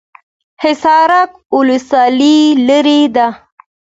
حصارک ولسوالۍ لیرې ده؟